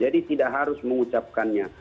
jadi tidak harus mengucapkannya